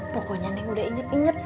pokoknya nih udah inget inget